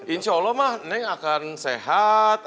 insya allah mah neng akan sehat